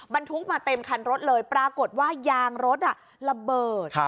บรรทุกมาเต็มคันรถเลยปรากฏว่ายางรถระเบิด